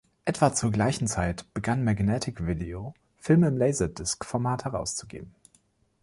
Etwa zur gleichen Zeit begann Magnetic Video, Filme im Laserdisc-Format herauszugeben.